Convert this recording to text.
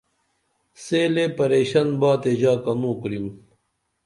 سے لے پریشن با تے ژا کنو کُریم